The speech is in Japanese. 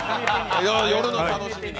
夜の楽しみに。